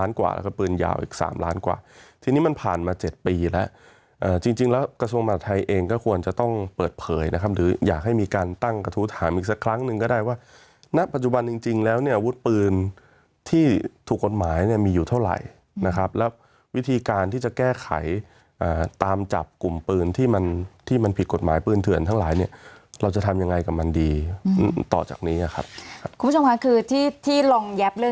แล้วกระทรวงมาตรไทยเองก็ควรจะต้องเปิดเผยนะครับหรืออยากให้มีการตั้งกระทู้ถามอีกสักครั้งหนึ่งก็ได้ว่านักปัจจุบันจริงแล้วเนี่ยอาวุธปืนที่ถูกกฎหมายมีอยู่เท่าไหร่นะครับแล้ววิธีการที่จะแก้ไขตามจับกลุ่มปืนที่มันที่มันผิดกฎหมายปืนเผื่อนทั้งหลายเนี่ยเราจะทำยังไงกับมันดีต่อจากน